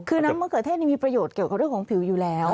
คือน้ำมะเขือเทศมีประโยชน์เกี่ยวกับเรื่องของผิวอยู่แล้ว